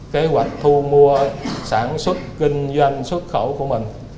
kế hoạch thu mua sản xuất kinh doanh xuất khẩu của mình